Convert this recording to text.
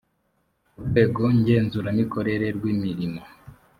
urwego ngenzuramikorere rw imirimo